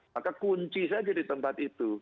maka kunci saja di tempat itu